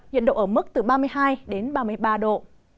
nhiệt độ ở mức từ ba mươi hai đến ba mươi ba độ